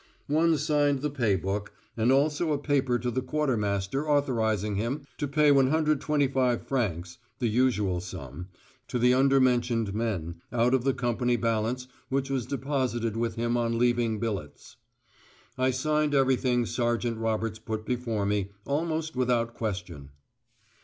One signed the pay book, and also a paper to the quartermaster authorising him to pay 125 francs (the usual sum) to the undermentioned men, out of the company balance which was deposited with him on leaving billets. I signed everything Sergeant Roberts put before me, almost without question.